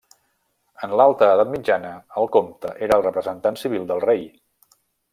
En l'alta edat mitjana, el comte era el representant civil del rei.